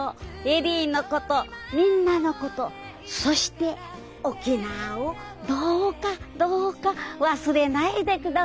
恵里のことみんなのことそして沖縄をどうかどうか忘れないで下さいね。